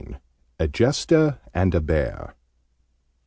A JESTER AND A BEAR.